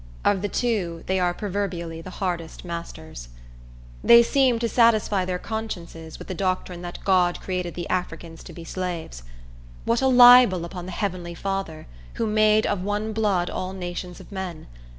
Of the two, they are proverbially the hardest masters. They seem to satisfy their consciences with the doctrine that God created the Africans to be slaves. What a libel upon the heavenly Father, who "made of one blood all nations of men!"